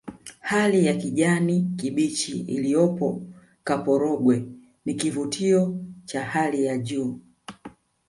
hali ya kijani kibichi iliyopo kaporogwe ni kivutio cha hali ya juu